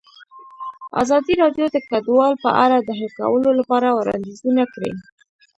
ازادي راډیو د کډوال په اړه د حل کولو لپاره وړاندیزونه کړي.